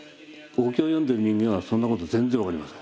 お経を読んでる人間はそんなこと全然分かりません。